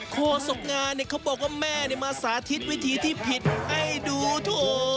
โคสกงานเนี่ยเขาบอกว่าแม่เนี่ยมาสาธิตวิธีที่ผิดให้ดูโถ